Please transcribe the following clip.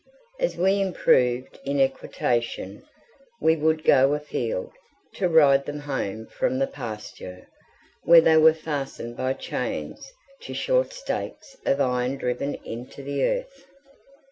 As we improved in equitation, we would go afield, to ride them home from the pasture, where they were fastened by chains to short stakes of iron driven into the earth.